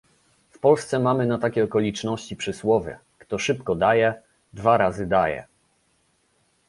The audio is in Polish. W Polsce mamy na takie okoliczności przysłowie "Kto szybko daje, dwa razy daje"